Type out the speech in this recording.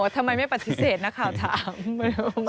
ทำไมไม่ปฏิเสธนักข่าวถาม